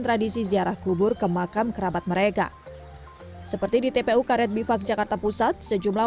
tradisi ziarah kubur ke makam kerabat mereka seperti di tpu karet bipak jakarta pusat sejumlah